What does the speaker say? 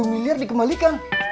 sepuluh miliar dikembalikan